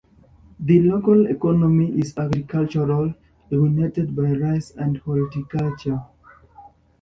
The local economy is agricultural, dominated by rice and horticulture.